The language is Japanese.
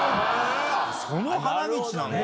その「花道」なんだ。